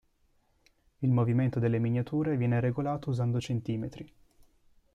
Il movimento delle miniature viene regolato usando centimetri.